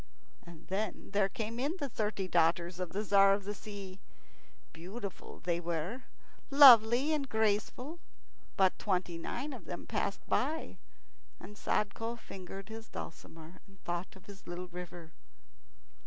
And then there came in the thirty daughters of the Tzar of the Sea. Beautiful they were, lovely, and graceful; but twenty nine of them passed by, and Sadko fingered his dulcimer and thought of his little river.